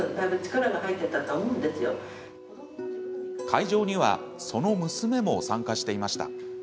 会場にはその娘も参加していました。